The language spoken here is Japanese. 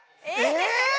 え？